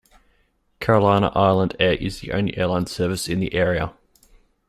Carolina Island Air is the only airline service in the area.